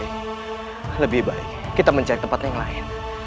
lebih baik kita mencari tempat yang lain